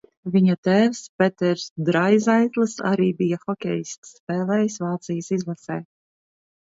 Viņa tēvs Peters Draizaitls arī bija hokejists, spēlējis Vācijas izlasē.